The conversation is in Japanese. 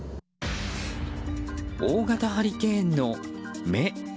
大型ハリケーンの目。